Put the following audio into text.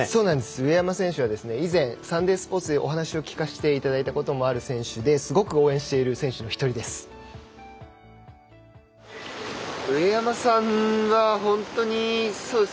上山選手は以前サンデースポーツでお話を聞かせていただいこともある選手ですごく応援している選手の１人です。